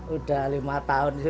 udah lima tahun sih pak